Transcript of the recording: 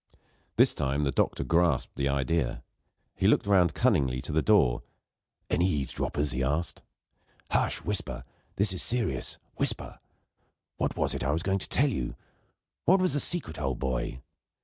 This time, the doctor grasped the idea. He looked round cunningly to the door. "Any eavesdroppers?" he asked. "Hush! Whisper this is serious whisper! What was it I was going to tell you? What was the secret, old boy?"